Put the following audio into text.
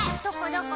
どこ？